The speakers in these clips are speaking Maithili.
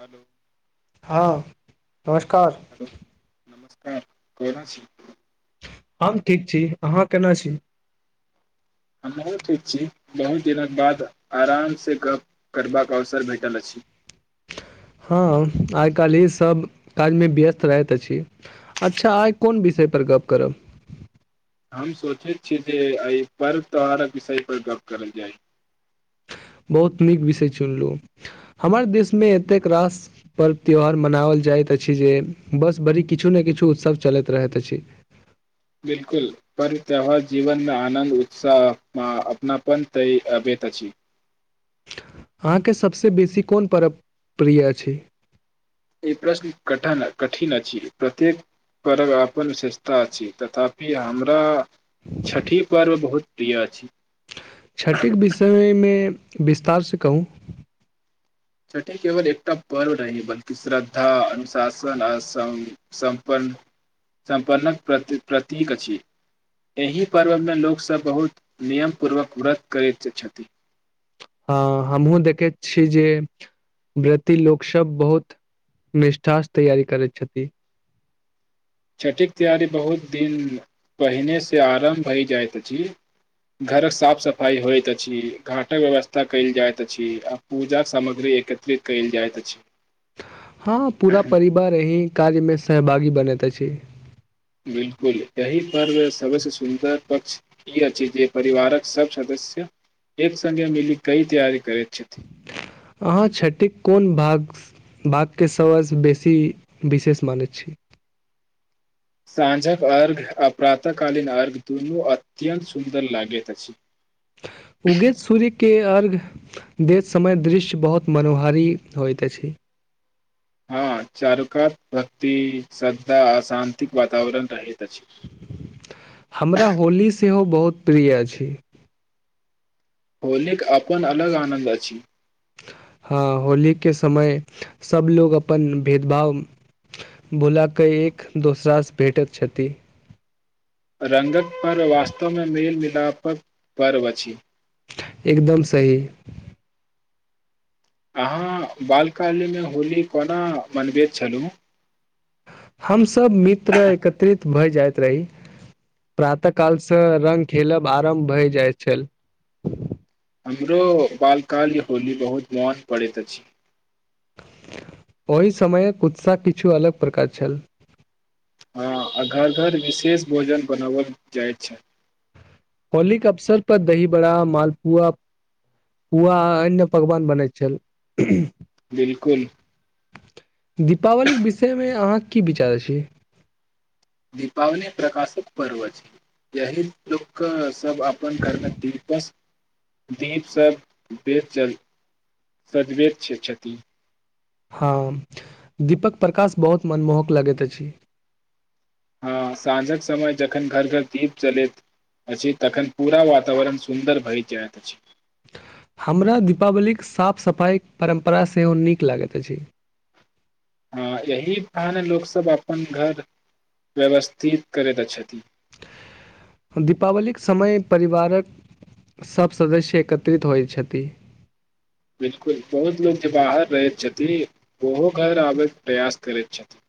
हलो हाँ नमस्कार हेलो नमस्कार कोना छी हम ठीक छी अहाँ केना छी हमहुँ ठीक छी बहुत दिनक बाद आरामसँ गप करबाक अवसर भेटल अछि हँ आइ काल्हि सभ काजमे व्यस्त रहैत अछि अच्छा आइ कोन विषयपर गप करब हम सोचैत छियै जे एहि पर्व त्यौहारक विषय पर गप करल जाय बहुत नीक विषय चुनलु हमर देशमे एतेक रास पर्व त्यौहार मनाबल जाइत अछि जे बस बड़ी किछु ने किछु उत्सव चलैत रहैत अछि बिल्कुल पर त्यौहार जीवनमे आनन्द उत्साह अपनापन त अबैत अछि अहाँके सभसँ बेसी कोन परव बढ़िया छै ई प्रश्न कटा कठन कठिन अछि प्रत्येक परव अपन विशेषता अछि तथापि हमरा छठि पर्व बहुत प्रिय अछि छठिम विषयमे विस्तारसे कहू छठि केवल एकटा पर्व रह बल्कि श्रद्धा अनुशासन आ सम सम्पन्न सम्पन्नक प्रति प्रतीक अछि एहि पर्वमे लोकसभ बहुत नियम पूर्वक व्रत करैत छथि हँ हमहूँ देखैत छी जे व्रती लोकसभ बहुत निष्ठास तैयारी करैत छथि छठिके तैयारी बहुत दिन पहिनेसँ आरम्भ भय जाइत अछि घरक साफ सफाइ होइत अछि घाटक व्यवस्था कयल जाइत अछि आ पूजाक सामग्री एकत्रित कयल जाइत अछि हाँ पूरा परिवार यही कार्य मे सहभागी बनत अछि बिल्कुल यही पर्व सबसे सुन्दर पक्ष ई अछि जे परिवारक सब सदस्य एक संगे मिली कई तैयारी करैत छथि अहाँ छठिक कोन भाग बातके समझ बेसी विशेष मानैत छी साँझक अर्घ आ प्रातः कालीन अर्घ दुनू अत्यन्त सुन्दर लागैत अछि उगैत सूर्य के अर्घ दैत समय दृश्य बहुत मनोहारी होइत अछि हाँ चारुकात भक्ति सरधा अशान्तिके वातावरण रहय छै हमरा होली सेहो बहुत प्रिय अछि होलिक आपन अलग आनन्द अछि हाँ होलीके समय सभलोग अपन भेदभाव भूला कऽ एक दोसरासँ भेटैत छथि रंगक पर्व वास्तवमे मेलमिलापक पर्व अछि एकदम सही अहाँ बालकाल्यमे होली कोना मनबैत छलहुँ हमस ब त' मित्र एकत्रित भए जाइत रही प्रातः कालसँ रंग खेलब आरम्भ भय जाइत छल हमरो बालकाल्य होली बहुत मोन पड़ैत अछि ओहि समयक उत्साह किछु अलग प्रकार छल हँ आ घर घर विशेष भोजन बनाबल जाए छैइ होलीक अवसरपर दही बड़ा मालपुआ पुआ आ अन्य पकवान बनैत छल बिलकुल दीपावलीक विषयमे अहाँक की विचार अछि दीपावली प्रकाशक पर्व अछि यही लोकसभ अपन घरमे दीपस् दीप सब बेर सजबैत छथि हँ दीपक प्रकाश बहुत मनमोहक लगैत अछि हँ साँझक समय जखन घर-घर दीप जरैत अछि तखन पूरा वातावरण सुन्दर भय जाइत अछि हमरा दीपावलीक साफ सफाइक परम्परा सेहो नीक लागैत अछि हँ यही आन लोकसभ अपन घर व्यवस्थित करैत छथि दीपावलीक समय परिवारक सभ सदस्य एकत्रित होइत छथि बिलकुल बहुत लोक जे बाहर रहैत छथिन ओहो घर आबयके प्रयास करैत छथिन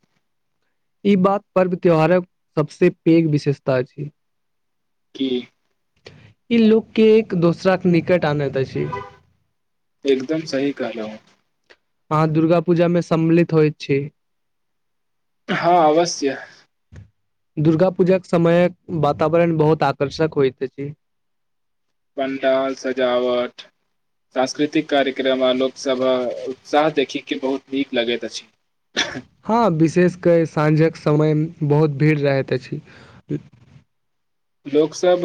ई बात पर्व त्यौहारक सबसँ पैघ विशेषता अछि की ई लोकके एक दोसराक निकट आनैत अछि एकदम सही कहलहुं अहाँ दुर्गा पूजामे सम्मिलित होइत छी हँ अवश्य दुर्गा पूजाक समयक वातावरण बहुत आकर्षक होइत अछि पंडाल सजावट सांस्कृतिक कार्यक्रम आ लोकसभ उत्साह देखे बहुत नीक लगैत अछि हँ विशेष कय साँझक समय बहुत भीड़ रहैत अछि लोकसभ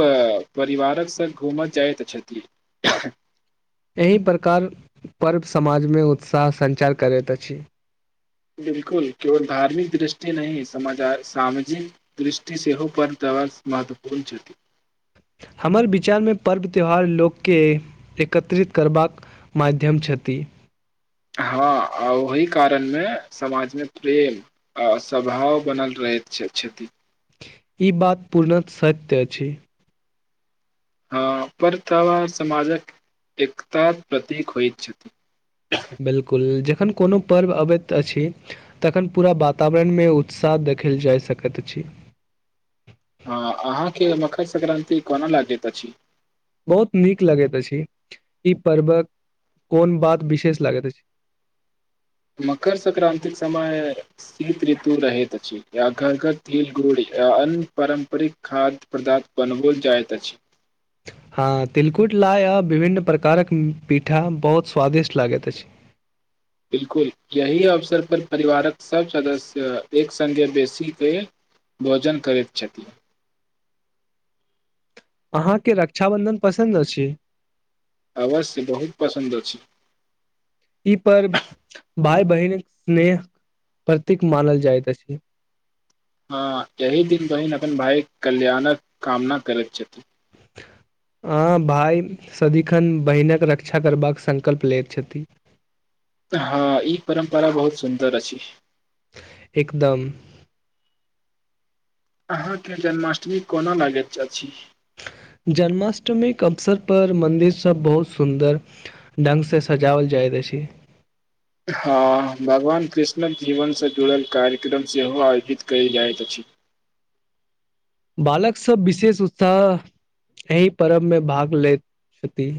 परिवारक संग घूमय जाइत छथि एहि प्रकार पर्व समाजमे उत्साह संचार करैत अछि बिलकुल केवल धार्मिक दृष्टि नहि सामजा सामजिक दृष्टि सेहो पर्व त' महत्वपूर्ण छथि हमर विचारमे पर्व त्यौहार लोककेँ एकत्रित करबाक माध्यम छथि हँ आ ओहि कारणमे समाजमे प्रेम आ स्वभाव बनल रहैत छथि ई बात पूर्णत सत्य अछि हँ पर तावा सामजक एकता प्रतीक होइत छथि बिलकुल जखन कोनो पर्व अबैत अछि तखन पूरा वातावरणमे उत्साह देखल जाय सकैत अछि हँ अहाँके मकर सक्रान्ति कोना लागैत अछि बहुत नीक लगैत अछि ई पर्वक कोन बात विशेष लागैत अछि मकर संक्रान्तिक समय शीत ऋतु रहैत अछि या घर घर तिल गुड़ या अन्य पारम्परिक खाद्य पदार्थ बनबल जाइत अछि हां तिलकुट लाइ आ विभिन्न प्रकारक पीठा बहुत स्वादिष्ट लागैत अछि बिलकुल यही अवसर पर परिवारक सभ सदस्य एक संगे बेसी के भोजन करैत छथिन अहाँके रक्षाबन्धन पसन्द अछि अवश्य बहुत पसन्द अछि ई पर्व भाय बहिनक स्नेह प्रतीक मानल जाइत अछि हँ यही दिन बहिन अपन भाय कल्याणक कामना करैत छथि आ भाइ सदिखन बहिनक रक्षा करबाक संकल्प लेैत छथि हँ ई परम्परा बहुत सुन्दर अछि एकदम अहाँके जन्माष्टमी कोना लागैत अछि जन्माष्टमीक अवसरपर मन्दिरसभ बहुत सुन्दर ढंगसँ सजाओल जाइत अछि हँ भगवान कृष्णक जीवनसँ जुड़ल कार्यक्रम सेहो आयोजित कयल जाइत अछि बालक सब विशेष उत्साह एहि पर्व मे भाग लैत छथि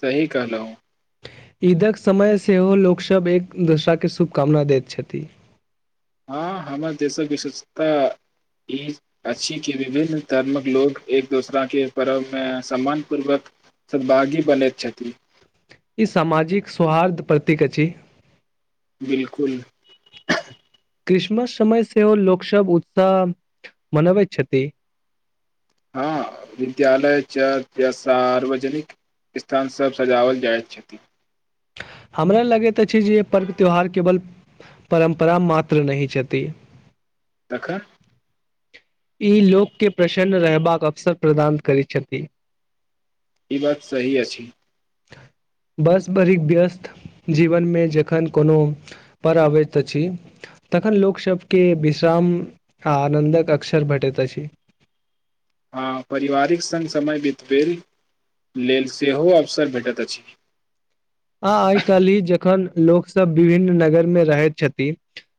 सही कहलहुं ईदक समय सेहो लोकसभ एक दोसरा के शुभकामना दैत छथि हँ हमर देशक विशेषता ई अछि कि विभिन्न धर्मक लोक एक दोसराके पर्वमे सम्मान पूर्वक सद्भागी बनैत छथि ई सामाजिक सौहार्द प्रतीक अछि बिलकुल क्रिसमस समय सेहो लोकसभ उत्साह मनबैत छथि हँ विद्यालय च य सार्वजनिक स्थानसभ सजाओल जाइत छथि हमरा लगैत अछि जे पर्व त्यौहार केवल परम्परा मात्र नहि छथि तखन ई लोककें प्रसन्न रहबाक अवसर प्रदान करैत छथि ई बात सही अछि बस भरिक व्यस्त जीवनमे जखन कोनो पर अबैत अछि तखन लोकसभकें विश्राम आ आनन्दक अवसर भेटैत अछि हँ पारिवारिक संग समय बितबय लेल सेहो अवसर भेटैत अछि आ आइ काल्हि जखन लोकसभ विभिन्न नगरमे रहैत छथि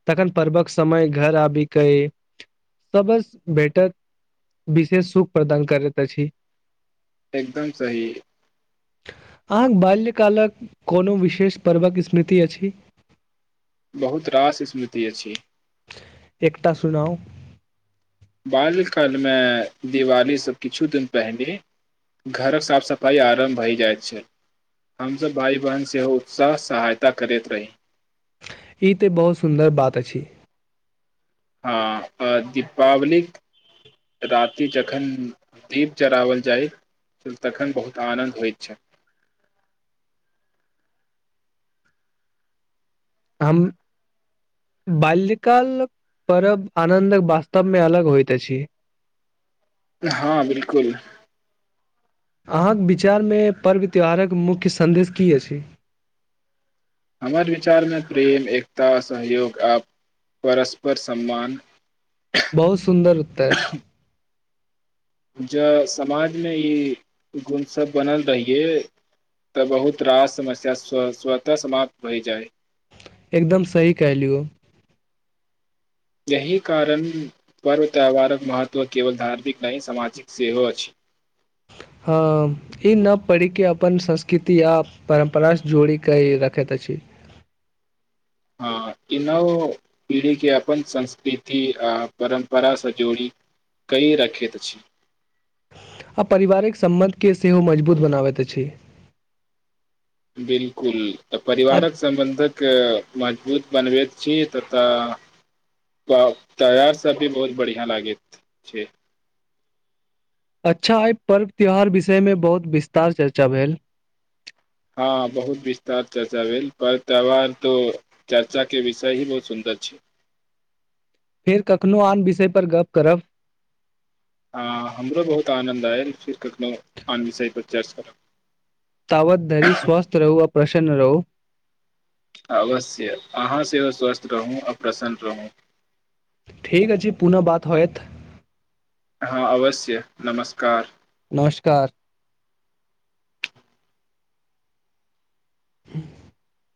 तखन पर्वक समय घर आबि कऽ सभस भेटत विशेष सुख प्रदान करैत अछि एकदम सही अहाँक बाल्यकालक कोनो विशेष पर्वक स्मृति अछि बहुत रास स्मृति अछि एकटा सुुनाउ बाल्यकालमे दिवालीसँ किछु दिन पहिनेे घरक साफ सफाइ आरम्भ भय जाइत छै हमसभ भाय बहिन सेहो उत्साह सहायता करैत रही ई तऽ बहुत सुन्दर बात अछि हँ आ दीपावलीक राति जखन दीप जराओल जाय तखन बहुत आनन्द होइत छै हम बाल्यकाल पर्व आनन्दक वास्तवमे अलग होइत अछि हँ बिलकुल अहाँक विचारमे पर्व त्यौहारक मुख्य सन्देश की अछि हमर विचारमे प्रेम एकता सहयोग आ परस्पर सम्मान बहुत सुन्दर उत्तर जँ समाजमे ई गुणसभ बनल रहियै तऽ बहुत रास समस्या स्व स्वतः समाप्त भय जाय एकदम सही क लियौ एहि कारण पर्व त्यौहारक महत्व केवल धार्मिक नहि सामाजिक सेहो छै हँ ई न पढ़ि कऽ अपन संस्कृति आ परम्परासँ जोड़ि कऽ रखैत अछि हँ ई नव पीढ़ीके अपन संस्कृति आ परम्परासँ जोड़ि कय रखैत छी आ पारिवारिक सम्बन्ध के सेहो मजबूत बनाबैत अछि बिलकुल अ- परिवारक सम्बंधक मजबूत बनबैत छी ततऽ तयार सब भी बहुत बढ़ियां लागैत छै अच्छा आइ पर्व त्योहार विषयमे बहुत विस्तार चर्चा भेल हँ बहुत विस्तार चर्चा भेल पर्व त्यौहार तऽ चर्चाके विषय ही बहुत सुन्दर छै फेर कखनो आन विषय पर गप्प करब ह हमरो बहुत आनन्द आयल फेर कखनो आन विषय पर चर्च करब तावत धरी स्वस्थ रहू ओर प्रसन्न रहू अवश्य अहाँ सेहो स्वस्थ रहू आ प्रसन्न रहूँ ठीक अछि छै पुनः बात होयत हँ अवश्य नमस्कार नमस्कार [inaudible]